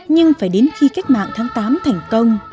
nhưng phải đến khi cách mạng tháng tám thành công